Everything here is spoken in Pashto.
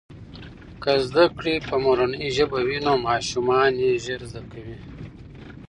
که زده کړې په مورنۍ ژبه وي نو ماشومان یې ژر زده کوي.